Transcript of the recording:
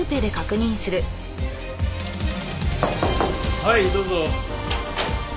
はいどうぞ。